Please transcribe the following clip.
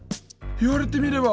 言われてみれば。